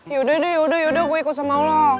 yaudah deh yaudah yaudah gue ikut sama lo